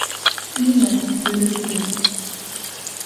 - Нимә «дөрөҫө генә»?